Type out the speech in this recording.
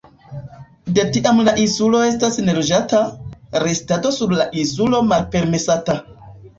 De tiam la insulo estas neloĝata, restado sur la insulo malpermesata.